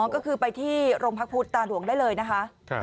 ก็คือไปที่โรงพักพุทธตาหลวงได้เลยนะคะ